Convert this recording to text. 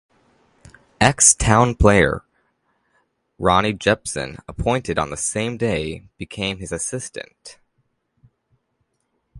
Ex-Town player Ronnie Jepson, appointed on the same day, became his assistant.